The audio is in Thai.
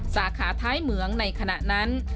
สาขาท้ายเหมืองในขณะนั้น